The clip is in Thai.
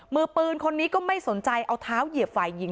มือปืนคนนี้ก็ไม่สนใจเอาเท้าเหยียบฝ่ายหญิง